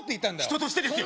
人としてですよ